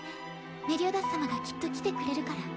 メリオダス様がきっと来てくれるから。